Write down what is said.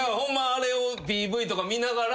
あれをＰＶとか見ながら。